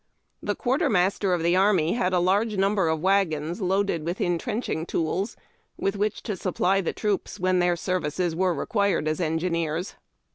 The quarternnister of tiie army had a large number of wagons loaded witli intrenching tools with which to supply the troops when their services were required as engineers.